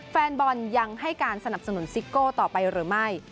แฟนบอลยังให้การสนับสนุนซิโก้ต่อไปหรือไม่